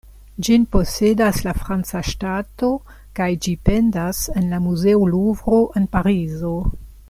Ĝin posedas la franca ŝtato kaj ĝi pendas en la muzeo Luvro en Parizo.